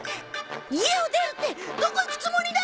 家を出るってどこ行くつもりだ！